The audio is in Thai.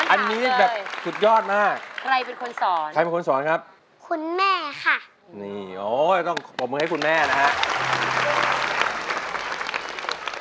อันนี้แบบสุดยอดมากใครเป็นคนสอนครับคุณแม่ค่ะโอ้ยต้องขอบมือให้คุณแม่นะครับ